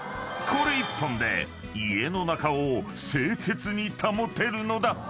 ［これ１本で家の中を清潔に保てるのだ］